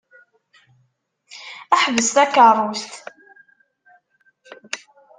Ḥbes takeṛṛust!